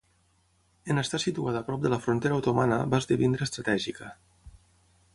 En estar situada prop de la frontera otomana va esdevenir estratègica.